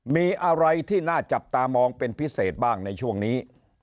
มีอะไรที่น่าจับตามองเป็นพิเศษบ้างในช่วงนี้